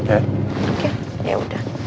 oke ya udah